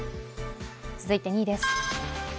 続いて２位です